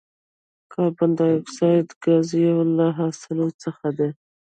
کاربن ډای اکساید ګاز یو له حاصلو څخه دی.